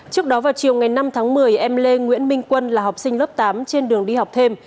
trước đó vào chiều ngày năm tháng một mươi em lê nguyễn minh quân là học sinh lớp tám trên đường đi học thêm